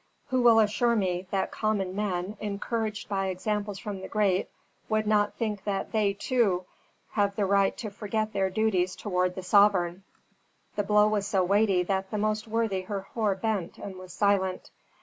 Who will assure me, that common men, encouraged by examples from the great, would not think that they, too, have the right to forget their duties toward the sovereign?" The blow was so weighty that the most worthy Herhor bent and was silent.